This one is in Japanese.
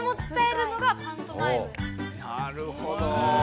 なるほど。